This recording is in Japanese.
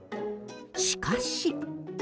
しかし。